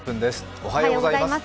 おはようございます。